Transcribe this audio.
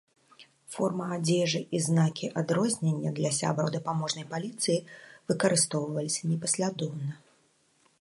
Форма адзежы і знакі адрознення для сябраў дапаможнай паліцыі выкарыстоўваліся непаслядоўна.